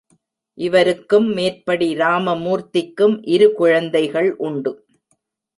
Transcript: இவருக்கும் மேற்படி இராமமூர்த்திக்கும் இரு குழந்தைகள் உண்டு.